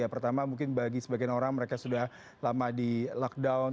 pertama mungkin bagi sebagian orang mereka sudah lama di lockdown